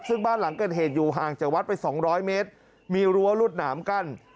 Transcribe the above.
ซึ่งบ้านหลังเกิดเหตุอยู่ห่างจากวัดไป๒๐๐เมตรมีรั้วรวดหนามกั้น